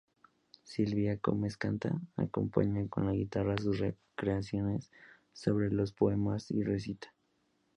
Sílvia Comes canta, acompaña con la guitarra sus creaciones sobre los poemas y recita.